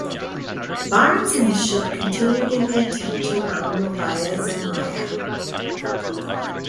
Barents and his ship continued in the attempt to round Novaya Zemlya.